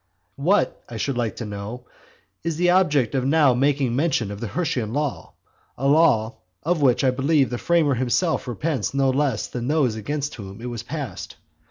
What, I should like to know, is the object of now making mention of the Hirtian law? a law of which I believe the framer himself repents no less than those against whom it was passed.